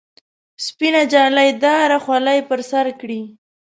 سپینه جالۍ داره خولۍ پر سر کړي.